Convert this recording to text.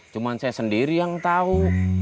cuma saya sendiri yang tahu